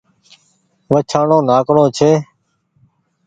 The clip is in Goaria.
وڇآڻو ناڪڻو ڇي